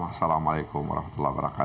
assalamualaikum warahmatullahi wabarakatuh